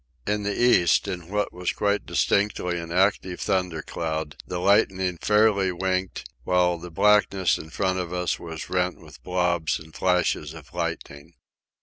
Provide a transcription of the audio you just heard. In the east, in what was quite distinctly an active thunder cloud, the lightning fairly winked, while the blackness in front of us was rent with blobs and flashes of lightning.